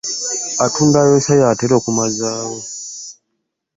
Atunda ayoles yatera okumazaawo .